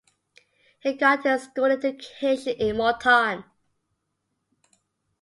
He got his school education in Multan.